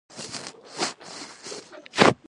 د موټرو سرعت باید د شاوخوا ترافیک سره برابر وي.